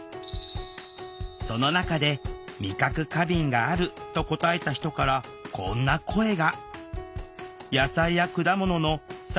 その中で「味覚過敏がある」と答えた人からこんな声が。